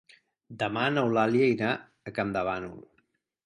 Demà n'Eulàlia irà a Campdevànol.